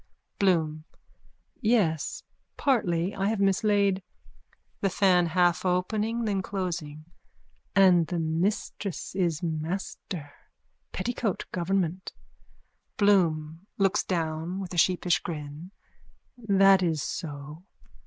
BLOOM: Yes. Partly, I have mislaid... THE FAN: (Half opening, then closing.) And the missus is master. Petticoat government. BLOOM: (Looks down with a sheepish grin.) That is so.